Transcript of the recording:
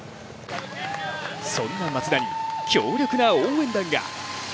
そんな松田に強力な応援団が。